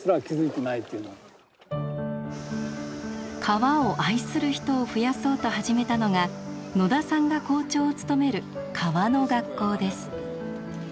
川を愛する人を増やそうと始めたのが野田さんが校長を務める川の学校です。